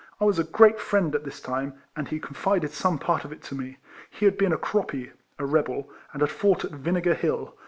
I was his great friend at this time, and he con fided some part of it to me. He had been a croppy, (a rebel) and had fought at Vinegar Hill.